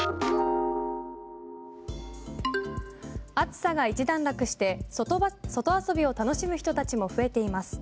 暑さが一段落して外遊びを楽しむ人たちも増えています。